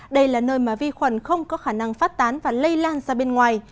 đây là nơi mà vi khuẩn không có khả năng phát tán và lây lan ra bên ngoài